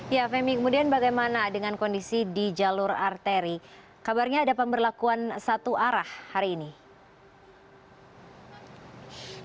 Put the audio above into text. ya femi kemudian bagaimana dengan kondisi di jalur arteri kabarnya ada pemberlakuan satu arah hari ini